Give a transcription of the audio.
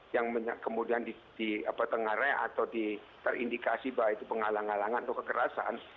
yang kemudian di tengah rea atau di terindikasi bahwa itu penghalang halangan atau kekerasan